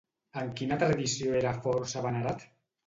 En quina tradició era força venerat?